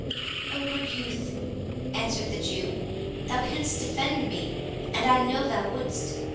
"O good youth," answered the Jew, "thou canst defend me, and I know thou wouldst.